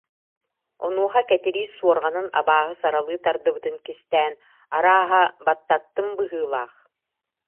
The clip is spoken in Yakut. Онуоха Кэтириис суорҕанын абааһы саралыы тардыбытын кистээн: «Арааһа, баттаттым быһыылаах